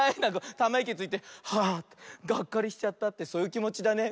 ためいきついて「はあがっかりしちゃった」ってそういうきもちだね。